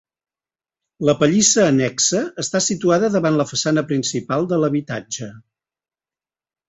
La pallissa annexa està situada davant la façana principal de l'habitatge.